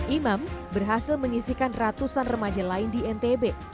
imam berhasil menyisikan ratusan remaja lain di ntb